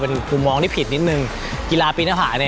เป็นคุณมองที่ผิดนิดหนึ่งกีฬาปีนหน้าผ่าเนี้ย